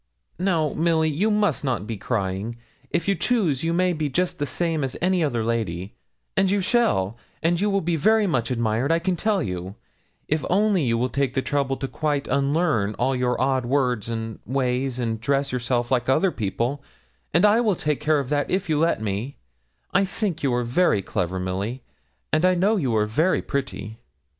'Now, Milly, you must not be crying; if you choose you may be just as the same as any other lady and you shall; and you will be very much admired, I can tell you, if only you will take the trouble to quite unlearn all your odd words and ways, and dress yourself like other people; and I will take care of that if you let me; and I think you are very clever, Milly; and I know you are very pretty.'